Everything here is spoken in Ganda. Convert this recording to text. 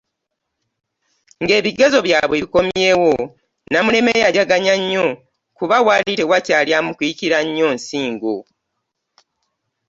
Ng'ebigezo byabwe bikomyewo Namuleme yajaganya nnyo kuba waali tewakyali amukiikira nnyo nsingo.